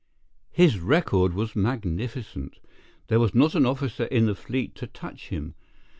His record was magnificent. There was not an officer in the fleet to touch him.